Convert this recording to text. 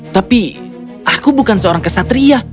tapi aku bukan seorang kesatria